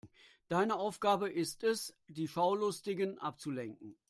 Deine Aufgabe ist es, die Schaulustigen abzulenken.